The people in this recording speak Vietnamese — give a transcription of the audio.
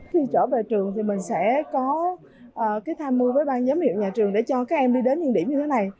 khi trở về trường thì mình sẽ có cái tham mưu với bang giám hiệu nhà trường để cho các em đi đến những điểm như thế này